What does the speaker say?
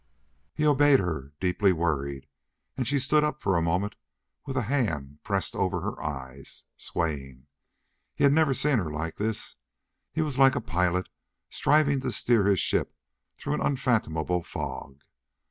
He obeyed her, deeply worried, and she stood up for a moment with a hand pressed over her eyes, swaying. He had never seen her like this; he was like a pilot striving to steer his ship through an unfathomable fog.